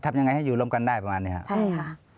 ทำยังไงให้อยู่ร่วมกันได้ประมาณนี้ครับใช่ค่ะ